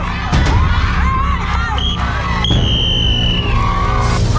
ทำที่ได้ครับ